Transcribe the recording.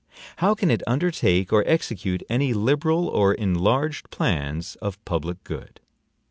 How can it undertake or execute any liberal or enlarged plans of public good?